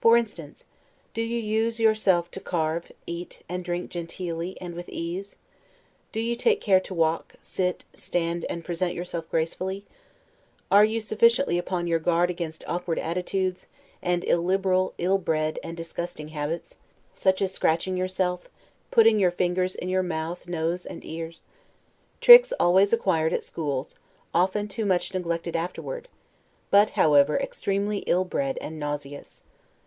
For instance, do you use yourself to carve, eat and drink genteelly, and with ease? Do you take care to walk, sit, stand, and present yourself gracefully? Are you sufficiently upon your guard against awkward attitudes, and illiberal, ill bred, and disgusting habits, such as scratching yourself, putting your fingers in your mouth, nose, and ears? Tricks always acquired at schools, often too much neglected afterward; but, however, extremely ill bred and nauseous.